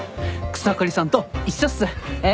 草刈さんと一緒っす。